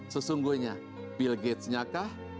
sesungguhnya bill gates nya kah